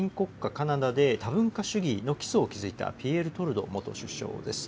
カナダで多文化主義の基礎を築いたピエール・トルドー元首相です。